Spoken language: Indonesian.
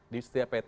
di setiap pt artinya